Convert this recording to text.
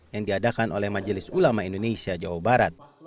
yang diadakan oleh majelis ulama indonesia jawa barat